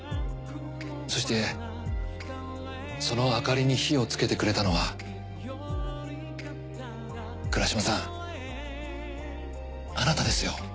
そしてその明かりに火をつけてくれたのは倉嶋さんあなたですよ。